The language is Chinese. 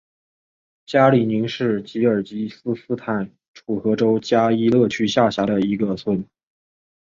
加里宁是吉尔吉斯斯坦楚河州加依勒区下辖的一个村。